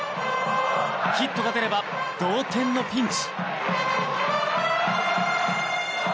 ヒットが出れば同点のピンチ。